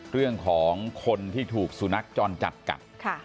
เรื่องของคนที่ถูกสุนัขจรจัดกัด